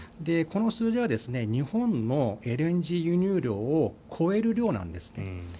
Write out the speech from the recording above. この数字は日本のＬＮＧ輸入量を超える量なんです。